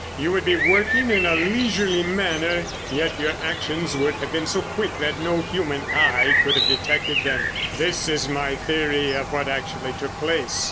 You would be working in a leisurely manner, yet your actions would have been so quick that no human eye could have detected them. This is my theory of what actually took place.